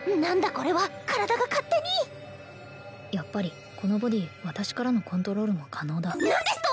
これは体が勝手にやっぱりこのボディー私からのコントロールも可能だ何ですと！？